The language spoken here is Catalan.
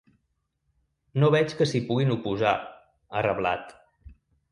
No veig que s’hi puguin oposar, ha reblat.